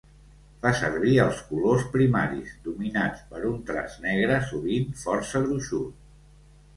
Fa servir els colors primaris, dominats per un traç negre sovint força gruixut.